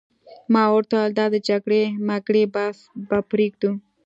ما ورته وویل: دا د جګړې مګړې بحث به پرېږدو.